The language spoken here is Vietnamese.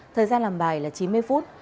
thời gian làm bài chín mươi phút